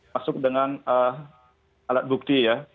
masuk dengan alat bukti ya